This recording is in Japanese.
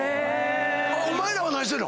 お前らは何してんの？